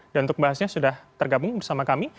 dan untuk bahasnya sudah tergabung bersama kami